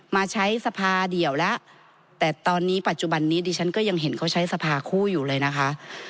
มาใช้สภาเดี่ยวแล้วแต่ตอนนี้ปัจจุบันนี้ดิฉันก็ยังเห็นเขาใช้สภาคู่อยู่เลยนะคะ